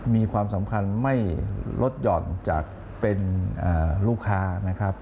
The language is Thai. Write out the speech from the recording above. มีความสำคัญไม่ลดหย่อนจากเป็นลูกค้านะครับ